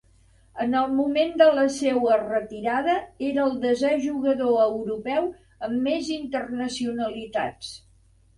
En el moment de la seua retirada era el desè jugador europeu amb més internacionalitats.